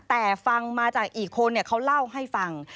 แต่ฟังมาจากอีกคนเขาเล่าให้ฟัง